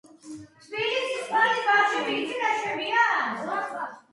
მისი წარმომადგენლები მამლუქები იყვნენ.